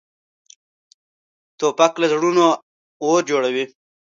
توپک له زړونو اور جوړوي.